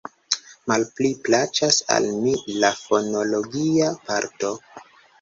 Malpli plaĉas al mi la fonologia parto.